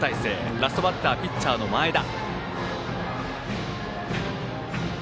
ラストバッターピッチャーの前田。